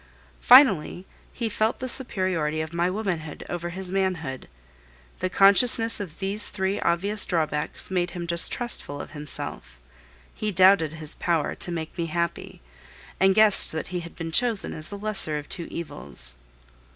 Finally, he felt the superiority of my womanhood over his manhood. The consciousness of these three obvious drawbacks made him distrustful of himself; he doubted his power to make me happy, and guessed that he had been chosen as the lesser of two evils.